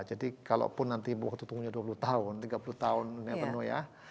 jadi kalau pun nanti waktu tunggu dua puluh tahun tiga puluh tahun ya